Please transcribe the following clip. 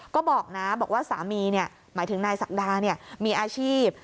ก็บอกนะบอกว่าสามีหมายถึงนายศักดามีอาชีพ